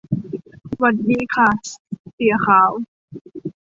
หวัดดีค่ะเสี่ยขาว